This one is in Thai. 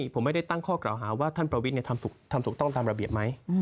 ผมไม่ได้ตั้งข้อกล่าวหาว่าท่านประวิทย์ทำถูกต้องตามระเบียบไหม